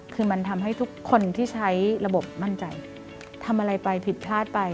คือมันทำให้ทุกคนที่ใช้ระบบมั่นใจทำอะไรไปผิดพลาดไป